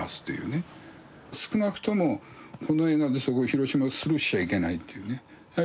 少なくともこの映画ですごい広島スルーしちゃいけないというね。